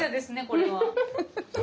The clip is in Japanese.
これは。